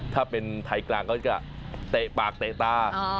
ถ้าเป็นไทยกลางก็จะเตะปากเตะตา